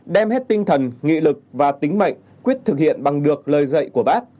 một đem hết tinh thần nghị lực và tính mệnh quyết thực hiện bằng được lời dạy của bác